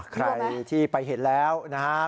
ใครที่ไปเห็นแล้วนะครับ